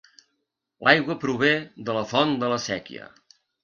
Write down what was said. L'aigua prové de la font de la Séquia.